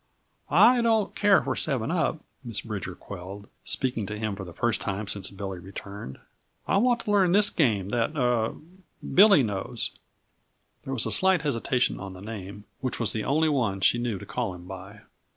"I don't care for seven up," Miss Bridger quelled, speaking to him for the first time since Billy returned. "I want to learn this game that er Billy knows." There was a slight hesitation on the name, which was the only one she knew to call him by.